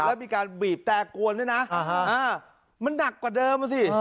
แล้วมีการบีบแต่กวนด้วยนะมันหนักกว่าเดิมอ่ะสิ